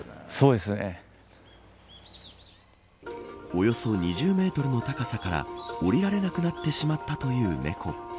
およそ２０メートルの高さから下りられなくなってしまったという猫。